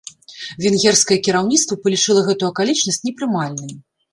Венгерскае кіраўніцтва палічыла гэту акалічнасць непрымальнай.